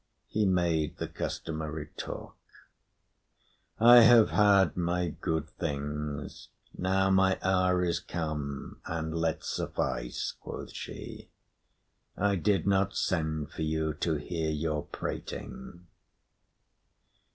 He made the customary talk. "I have had my good things; now my hour is come; and let suffice," quoth she. "I did not send for you to hear your prating."